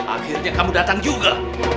akhirnya kamu datang juga